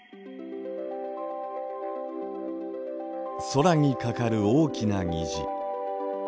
空にかかる大きな虹。